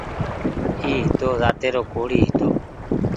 اي هتو زاتي رو ڪوڙي هيتو